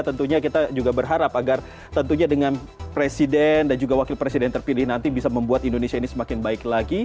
tentunya kita juga berharap agar tentunya dengan presiden dan juga wakil presiden terpilih nanti bisa membuat indonesia ini semakin baik lagi